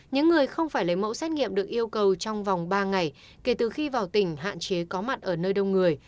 những người không phải lấy mẫu xét nghiệm được yêu cầu trong vòng ba ngày kể từ khi vào tỉnh hạn chế có mặt ở nơi đông người